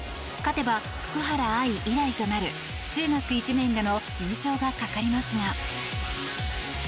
勝てば福原愛以来となる中学１年での優勝がかかりますが。